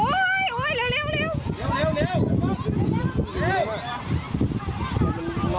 โอ้ยโอ้ยเร็วเร็วเร็ว